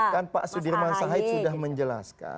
kan pak sudirman said sudah menjelaskan